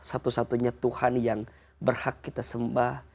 satu satunya tuhan yang berhak kita sembah